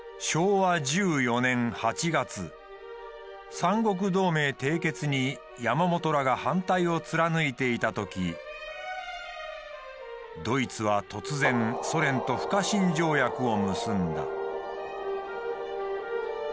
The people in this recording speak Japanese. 三国同盟締結に山本らが反対を貫いていたときドイツは突然ソ連と不可侵条約を結んだ。